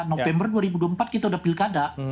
november dua ribu dua puluh empat kita udah pilkada